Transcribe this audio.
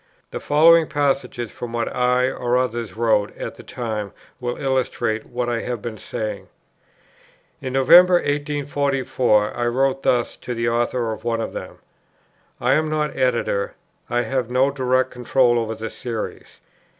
The following passages from what I or others wrote at the time will illustrate what I have been saying: In November, 1844, I wrote thus to the author of one of them: "I am not Editor, I have no direct control over the Series.